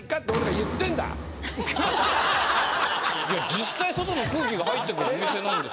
実際外の空気が入ってくるお店なんで。